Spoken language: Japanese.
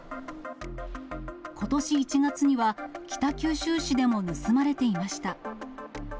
ことし１月には、北九州市でも盗まれていました。